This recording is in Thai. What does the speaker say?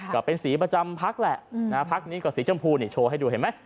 ก็เป็นสีประจำพักแหละพักนี้ก็สีชมพูนี่โชว์ให้ดูเห็นไหม